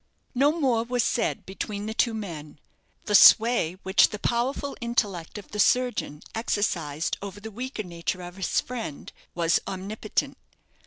No more was said between the two men. The sway which the powerful intellect of the surgeon exercised over the weaker nature of his friend was omnipotent.